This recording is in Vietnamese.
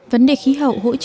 vấn đề khí hậu hỗ trợ